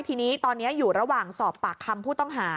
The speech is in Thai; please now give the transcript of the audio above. ทีนี้ตอนนี้อยู่ระหว่างสอบปากคำผู้ต้องหา